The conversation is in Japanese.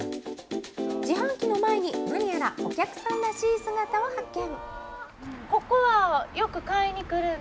自販機の前になにやらお客さんらしい姿を発見。